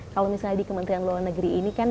kalau misalnya di kementerian luar negeri ini kan